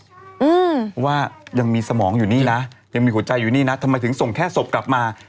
อืมว่ายังมีสมองอยู่นี่นะยังมีหัวใจอยู่นี่นะทำไมถึงส่งแค่ศพกลับมา